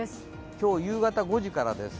今日夕方５時からです。